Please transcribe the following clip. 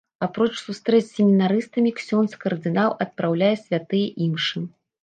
Апроч сустрэч з семінарыстамі, ксёндз кардынал адпраўляе святыя імшы.